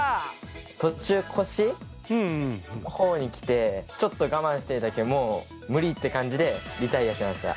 途中腰のほうに来てちょっと我慢していたけどもう無理って感じでリタイアしました。